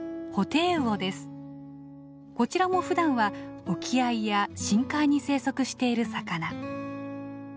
こちらもふだんは沖合や深海に生息している魚。